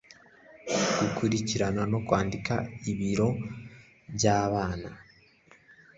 gukurikirana no kwandika ibiro by'abana